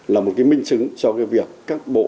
là một cái minh chứng cho cái việc các bộ